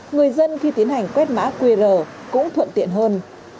người dân khi tiến hành quét mã qr cũng thuận tiện hơn